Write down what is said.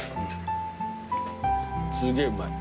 すげえうまい。